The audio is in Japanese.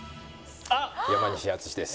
山西惇です。